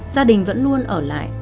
gia đình vẫn luôn ở lại